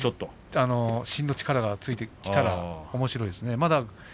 真の力がついてきたらおもしろいですね。